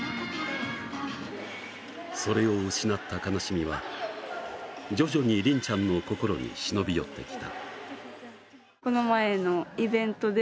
それを失った悲しみは徐々にりんちゃんの心に忍び寄ってきた。